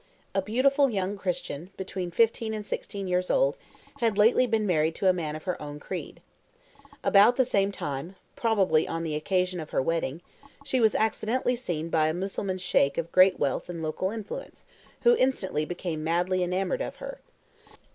A beautiful young Christian, between fifteen and sixteen years old, had lately been married to a man of her own creed. About the same time (probably on the occasion of her wedding) she was accidentally seen by a Mussulman Sheik of great wealth and local influence, who instantly became madly enamoured of her.